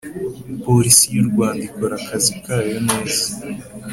Polisi y’urwanda ikora akazi kayo neza